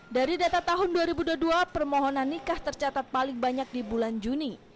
dari data tahun dua ribu dua puluh dua permohonan nikah tercatat paling banyak di bulan juni